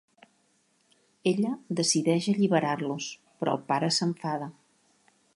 Ella decideix alliberar-los, però el pare s'enfada.